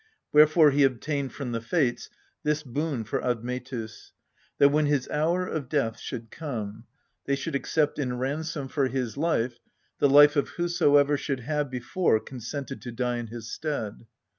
Wherefore he obtained from the Fates this boon for Admetus, that, when his hour of death should come, they should accept in ransom for his life the life of whosoever should have before consented to die in his stead.